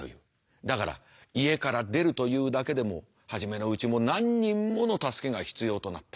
だから家から出るというだけでも初めのうちも何人もの助けが必要となった。